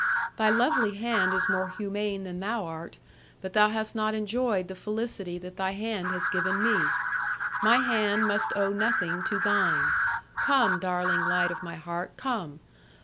Thy lovely hand is more humane than thou art, but thou has not enjoyed the felicity that thy hand has given me. My hand must owe nothing to thine. Come, darling light of my heart, come!